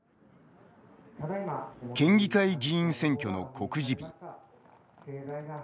県議会議員選挙の告示日。